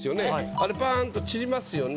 あれバンと散りますよね。